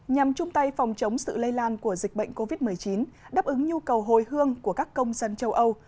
nhằm chung tay phòng chống sự lây lan của dịch bệnh covid một mươi chín đáp ứng nhu cầu hồi hương của các công dân châu âu